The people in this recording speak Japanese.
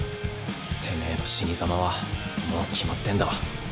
てめぇの死に様はもう決まってんだ。